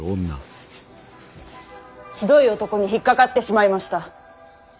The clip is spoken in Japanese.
ひどい男に引っ掛かってしまいました。